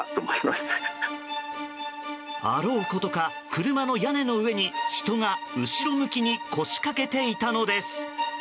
あろうことか、車の屋根の上に人が後ろ向きに腰かけていたのです。